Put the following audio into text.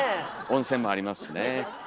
温泉もありますしね。